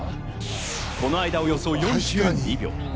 この間、およそ４２秒。